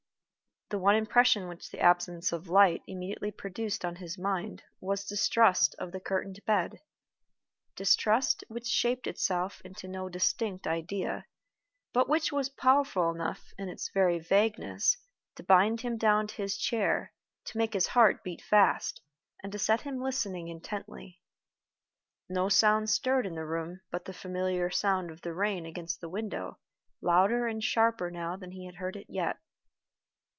The one impression which the absence of light immediately produced on his mind was distrust of the curtained bed distrust which shaped itself into no distinct idea, but which was powerful enough, in its very vagueness, to bind him down to his chair, to make his heart beat fast, and to set him listening intently. No sound stirred in the room, but the familiar sound of the rain against the window, louder and sharper now than he had heard it yet.